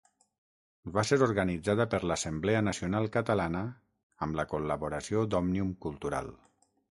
Va ser organitzada per l'Assemblea Nacional Catalana amb la col·laboració d'Òmnium Cultural.